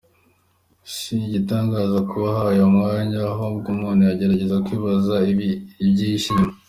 Si igitangaza kuba ahawe uyu mwanya ahubwo umuntu yagerageza kwibaza ikibyihishe inyuma.